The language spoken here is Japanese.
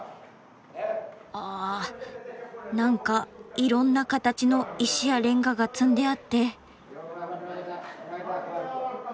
あなんかいろんな形の石やレンガが積んであって。